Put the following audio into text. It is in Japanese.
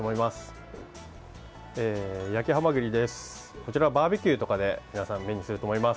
こちらはバーベキューとかで皆さん、目にすると思います。